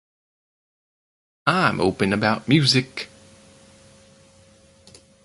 I’m open about music.